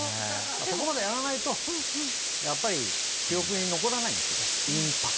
そこまでやらないとやっぱり記憶に残らないんですよ。